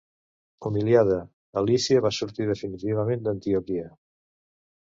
Humiliada, Alícia va sortir definitivament d'Antioquia.